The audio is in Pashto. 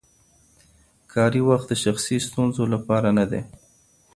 کاري وخت د شخصي ستونزو لپاره نه دی.